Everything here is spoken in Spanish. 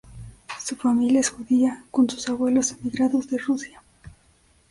Su familia es judía, con sus abuelos emigrados de Rusia.